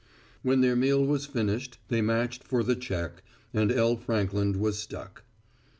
When their meal was finished they matched for the check, and L. Frankland was stuck.